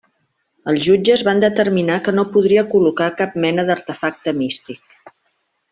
Els jutges van determinar que no podria col·locar cap mena d'artefacte místic.